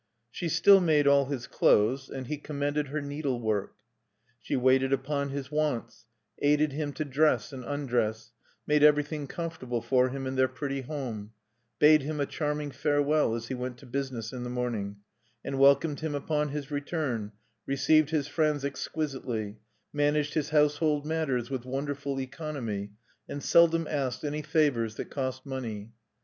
She still made all his clothes; and he commended her needle work. She waited upon his wants, aided him to dress and undress, made everything comfortable for him in their pretty home; bade him a charming farewell as he went to business in the morning, and welcomed him upon his return; received his friends exquisitely; managed his household matters with wonderful economy, and seldom asked any favors that cost money.